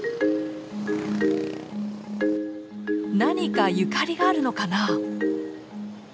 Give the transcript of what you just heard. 何かゆかりがあるのかな？